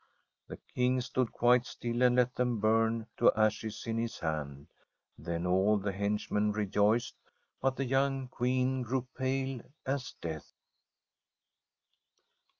The King stood quite still and let them bum to ashes in his hand. Then all the hench ASTRID men rejoiced, but the young Queen grew pale as death.